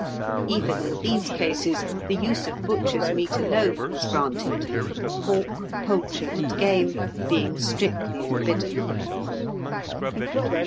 Even in these cases the use of butchers' meat alone was granted, pork, poultry, and game being strictly forbidden.